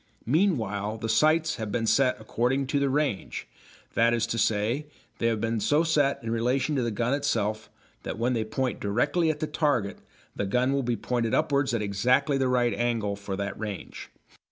Meanwhile the sights have been set according to the range that is to say, they have been so set in relation to the gun itself that when they point directly at the target the gun will be pointed upwards at exactly the right angle for that range.